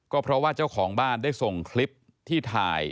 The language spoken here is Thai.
ก็เพราะว่าเจ้าของบ้านได้ส่งคลิปที่ถ่าย